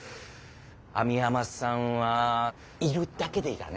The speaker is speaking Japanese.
網浜さんはいるだけでいいからね。